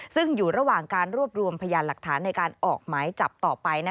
ซึ่งอยู่ระหว่างการรวบรวมพยานหลักฐานในการออกหมายจับต่อไป